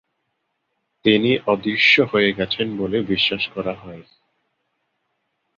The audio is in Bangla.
তিনি অদৃশ্য হয়ে গেছেন বলে বিশ্বাস করা হয়।